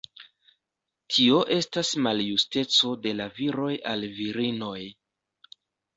Tio estas maljusteco de la viroj al virinoj.